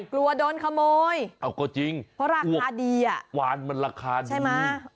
กลัวโดนขโมยเพราะราคาดีอ่ะอ้วกวานมันราคาดีใช่ไหม